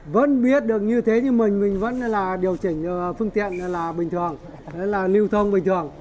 vẫn biết được như thế nhưng mình mình vẫn là điều chỉnh phương tiện là bình thường là lưu thông bình thường